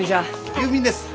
郵便です。